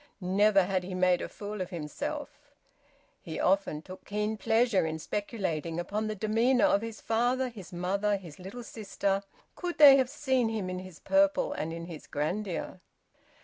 Never had he made a fool of himself. He often took keen pleasure in speculating upon the demeanour of his father, his mother, his little sister, could they have seen him in his purple and in his grandeur.